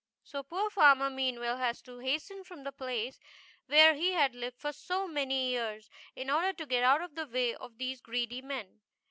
So poor Farmer Meanwell had to hasten from the place where he had lived for so many years, in order to get out of the way of these greedy men.